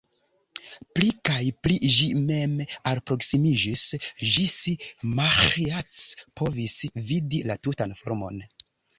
Pli kaj pli ĝi mem alproksimiĝis, ĝis Maĥiac povis vidi la tutan formon.